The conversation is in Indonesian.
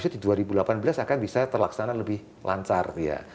yang baru harusnya di dua ribu delapan belas akan bisa terlaksana lebih lancar